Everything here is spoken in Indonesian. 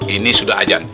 ini sudah ajan